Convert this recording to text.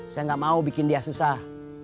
saya nggak mau bikin dia susah